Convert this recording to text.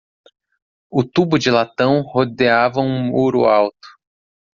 O tubo de latão rodeava o muro alto.